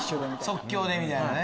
即興みたいなね。